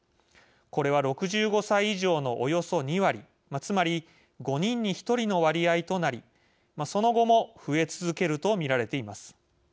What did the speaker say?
これは６５歳以上のおよそ２割つまり５人に１人の割合となりその後も増え続けると見られています。